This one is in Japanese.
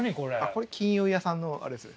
これ金融屋さんのあれですね。